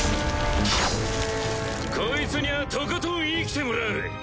こいつにゃとことん生きてもらう。